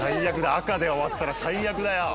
赤で終わったら最悪だよ。